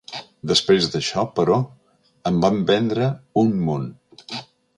Després d'això, però, en vam vendre un munt.